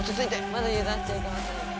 まだ油断しちゃいけませんよ。